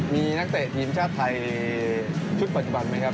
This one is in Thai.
มีนักเตะทีมชาติไทยชุดปัจจุบันไหมครับ